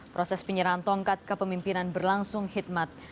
proses penyerahan tongkat kepemimpinan berlangsung hikmat